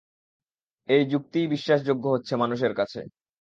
এই যুক্তিই বিশ্বাসযোগ্য হচ্ছে মানুষের কাছে।